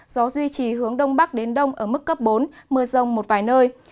gió duy trì hướng đông bắc đến đông ở mức cấp bốn mưa rông một vài nơi